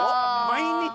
毎日。